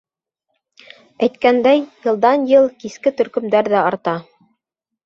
Әйткәндәй, йылдан-йыл киске төркөмдәр ҙә арта.